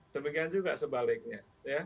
demikian juga sebaliknya